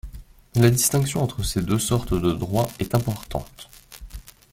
La distinction entre ces deux sortes de droits est importante.